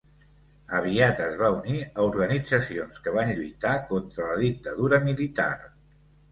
Aviat es va unir a organitzacions que van lluitar contra la dictadura militar.